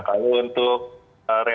itu yang menjadi penting pertama